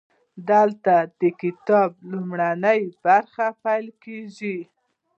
دلته د کتاب لومړۍ برخه پیل کیږي.